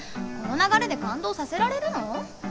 この流れで感動させられるの？